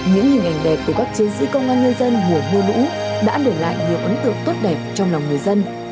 những hình ảnh đẹp của các chiến sĩ công an nhân dân mùa mưa lũ đã để lại nhiều ấn tượng tốt đẹp trong lòng người dân